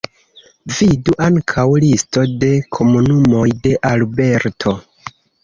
Vidu ankaŭ: Listo de komunumoj de Alberto.